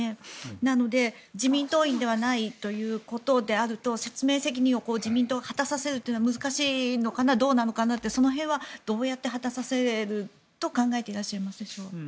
なので、自民党員ではないということであると説明責任を自民党が果たさせるというのは難しいのかな、どうなのかなとその辺はどうやって果たさせると考えていますか？